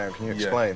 はい。